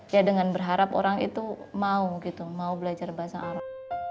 ya dengan berharap orang itu mau gitu mau belajar bahasa arab